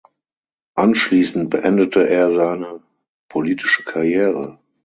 Anschließend beendete er seine politische Karriere.